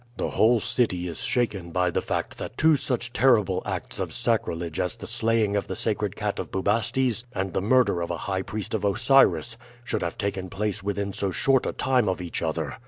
The whole city is shaken by the fact that two such terrible acts of sacrilege as the slaying of the sacred cat of Bubastes and the murder of a high priest of Osiris should have taken place within so short a time of each other.